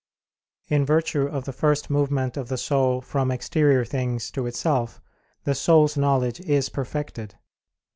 In virtue of the first movement of the soul from exterior things to itself, the soul's knowledge is perfected.